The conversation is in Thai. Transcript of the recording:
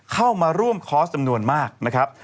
เข้ามาร่วมคอร์สจำนวนมากนะครับ